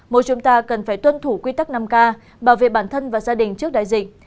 mỗi chúng ta cần phải tuân thủ quy tắc năm k bảo vệ bản thân và gia đình trước đại dịch